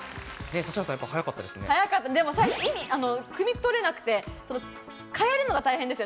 最初、意味がくみ取れなくて、変えるのが大変でした。